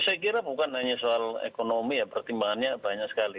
saya kira bukan hanya soal ekonomi ya pertimbangannya banyak sekali